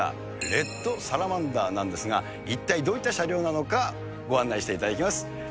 レッドサラマンダーなんですが、一体どういった車両なのか、ご案内していただきます。